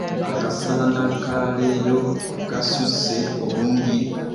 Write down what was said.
Akasana ka leero kasusse obungi.